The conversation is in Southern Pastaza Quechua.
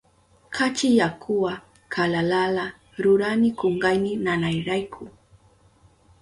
Kachi yakuwa kalalala rurani kunkayni nanayrayku.